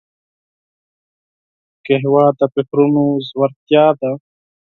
قهوه د فکرونو ژورتیا ده